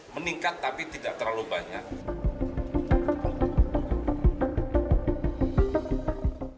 meningkat tapi tidak terlalu banyak